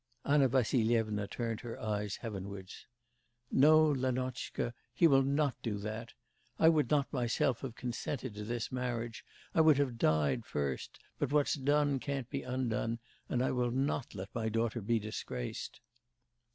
Anna Vassilyevna turned her eyes heavenwards. 'No, Lenotchka, he will not do that. I would not myself have consented to this marriage. I would have died first; but what's done can't be undone, and I will not let my daughter be disgraced.